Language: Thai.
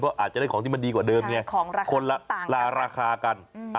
ก็อาจจะได้ของที่มันดีกว่าเดิมไงคนละราคากัน